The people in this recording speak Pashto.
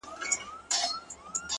• څه به وساتي ځالۍ د توتکیو ,